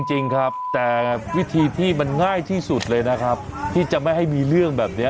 จริงครับแต่วิธีที่มันง่ายที่สุดเลยนะครับที่จะไม่ให้มีเรื่องแบบนี้